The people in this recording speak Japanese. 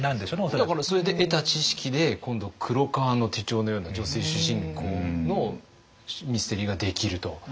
だからそれで得た知識で今度「黒革の手帖」のような女性主人公のミステリーができると。